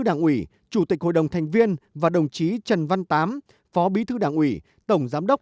đảng ủy chủ tịch hội đồng thành viên và đồng chí trần văn tám phó bí thư đảng ủy tổng giám đốc